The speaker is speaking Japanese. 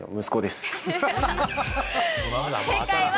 正解は。